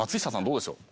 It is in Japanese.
どうでしょう？